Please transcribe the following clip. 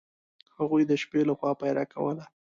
هغوی د شپې له خوا پیره کوله.